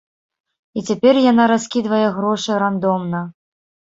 І цяпер яна раскідвае грошы рандомна.